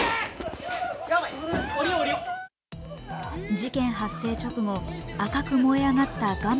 事件発生直後、赤く燃え上がった画面